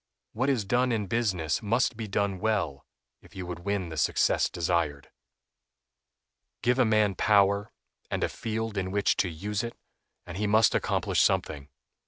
What is done in business must be done well if you would win the success desired. Give a man power, and a field in which to use it, and he must accomplish something.